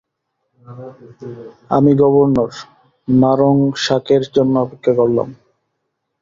আমি গভর্নর নারোংসাকের জন্য অপেক্ষা করলাম।